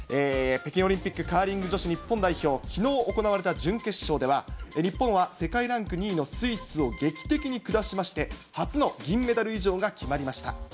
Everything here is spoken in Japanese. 北京オリンピック、カーリング女子日本代表、きのう行われた準決勝では、日本は世界ランク２位のスイスを劇的に下しまして、初の銀メダル以上が決まりました。